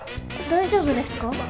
大丈夫ですか？